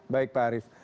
baik pak arief